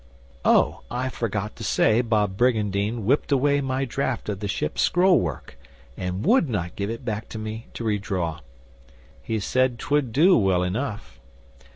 'Oh, I forgot to say that Bob Brygandyne whipped away my draft of the ship's scroll work, and would not give it back to me to re draw. He said 'twould do well enough.